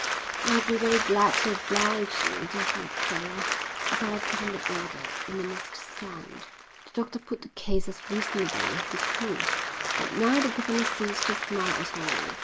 "I'd be very glad to oblige you, Dr Macphail, but I've given the order and it must stand." The doctor put the case as reasonably as he could, but now the governor ceased to smile at all.